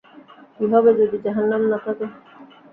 কি হবে যদি জাহান্নাম না থাকে?